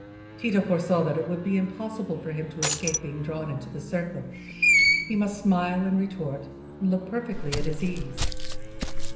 Tito foresaw that it would be impossible for him to escape being drawn into the circle; he must smile and retort, and look perfectly at his ease.